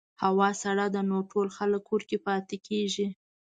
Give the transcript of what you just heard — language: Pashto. هوا سړه ده، نو ټول خلک کور کې پاتې کېږي.